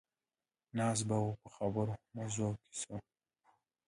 ناست به وو په خبرو، مزو او کیسو.